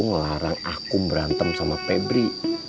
ngelarang aku berantem sama pebri